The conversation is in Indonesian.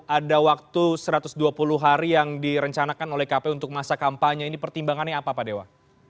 ada waktu satu ratus dua puluh hari yang direncanakan oleh kpu untuk masa kampanye ini pertimbangannya apa pak dewa